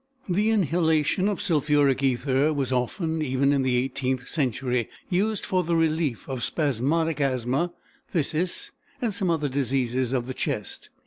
The inhalation of sulphuric ether was often, even in the eighteenth century, used for the relief of spasmodic asthma, phthisis, and some other diseases of the chest.